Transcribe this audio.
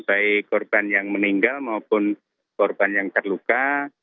baik korban yang meninggal maupun korban yang terluka